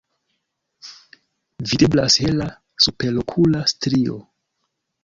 Videblas hela superokula strio.